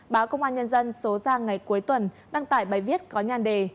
báo công an nhân dân số ra ngày cuối tuần đăng tải bài viết có nhan đề